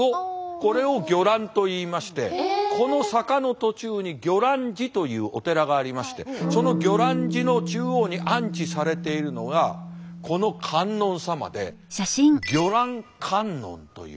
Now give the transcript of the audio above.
これを魚籃といいましてこの坂の途中に魚籃寺というお寺がありましてその魚籃寺の中央に安置されているのがこの観音様で魚籃観音という。